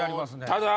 ただ